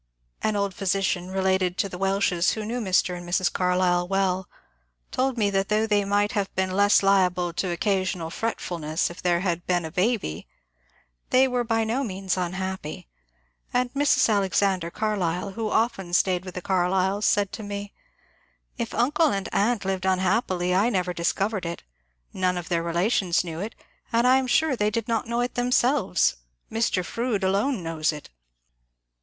An old physician related to the Welshes, who knew Mr. and Mrs. Carlyle well, told me that though they might have been less liable to occasional f retf ulness if there had been a baby, they were by no means unhappy ; and Mrs. Alexander Carlyle, who often staid with the Carlyles, said to me, If uncle and aunt lived unhappily I never discovered it, none of their relations knew it, and I am sure they did not know it themselves. Mr. Froude alone knows it."